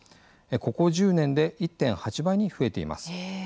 ここ１０年で１．８倍に増えています。